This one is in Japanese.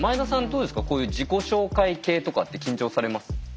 どうですかこういう自己紹介系とかって緊張されます？